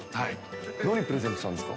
どういうプレゼントをしたんですか？